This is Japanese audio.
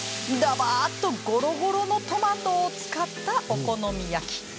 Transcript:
ぱーっとゴロゴロのトマトを使ったお好み焼き。